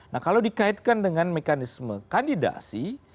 nah kalau dikaitkan dengan mekanisme kandidasi